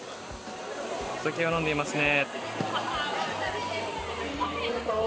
お酒を飲んでいますね。